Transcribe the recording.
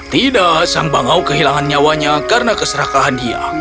tidak sang bangau kehilangan nyawanya karena keserakahan dia